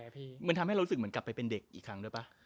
เหมือนทำให้เรารู้สึกเหมือนกลับไปเป็นเด็กอีกครั้งด้วยป่ะ